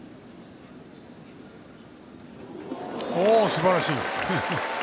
すばらしい！